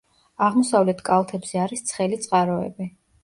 აღმოსავლეთ კალთებზე არის ცხელი წყაროები.